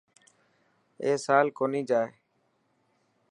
اي سال ڪونهي جائي.